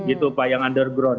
itu pak yang underground